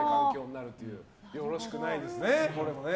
よろしくないですね。